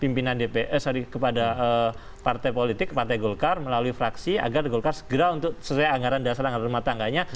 pimpinan dpr sorry kepada partai politik partai golkar melalui fraksi agar golkar segera untuk sesuai anggaran dasar anggaran rumah tangganya